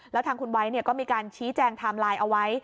แล้วทางคุณไบท์ก็มีการชี้แจงไทม์ไลน์เอาไว้